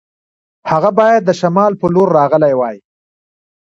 هغه باید د شمال په لور راغلی وای.